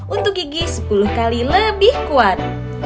untuk gigi sepuluh kali lebih kuat